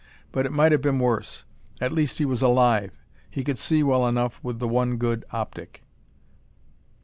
But it might have been worse. At least he was alive; he could see well enough with the one good optic.